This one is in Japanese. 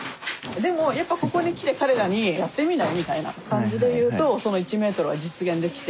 でもやっぱここに来て彼らにやってみない？みたいな感じで言うとその１ｍは実現できて。